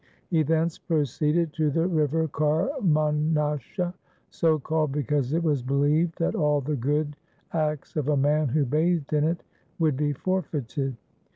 He thence proceeded to the river Karmnasha, so called because it was believed that all the good acts of a man who bathed in it would be forfeited.